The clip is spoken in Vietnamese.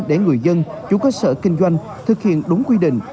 để người dân chủ cơ sở kinh doanh thực hiện đúng quy định